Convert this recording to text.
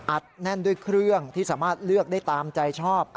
แน่นด้วยเครื่องที่สามารถเลือกได้ตามใจชอบ